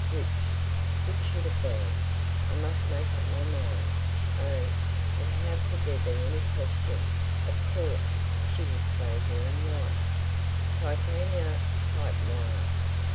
Which, which should it be? "I must make up my mind." Oh, but how could there be any question? Of course she would stay here and write. "Titania!" piped Moira.